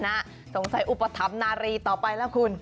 คุณสนักสนใจอุปถัมภ์นารีต่อไปแล้วคุณ